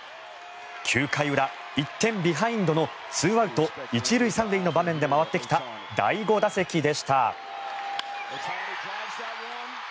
９回裏、１点ビハインドの２アウト１塁３塁の場面で回ってきた第５打席でした。